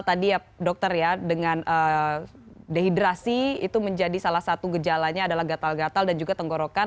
tadi ya dokter ya dengan dehidrasi itu menjadi salah satu gejalanya adalah gatal gatal dan juga tenggorokan